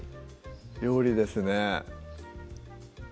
料理ですね